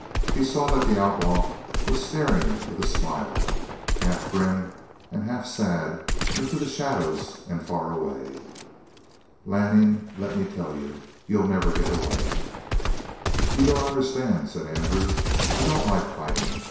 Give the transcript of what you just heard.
He saw that the outlaw was staring with a smile, half grim and half sad, into the shadows and far away. "Lanning, let me tell you. You'll never get away." "You don't understand," said Andrew. "I don't like fighting.